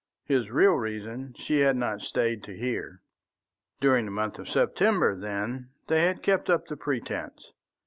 His real reason she had not stayed to hear. During the month of September, then, they kept up the pretence.